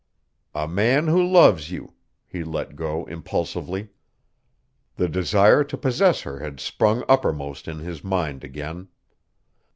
_" "A man who loves you," he let go impulsively. The desire to possess her had sprung uppermost in his mind again.